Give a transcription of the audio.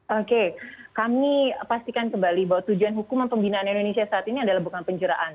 oke kami pastikan kembali bahwa tujuan hukuman pembinaan indonesia saat ini adalah bukan penjaraan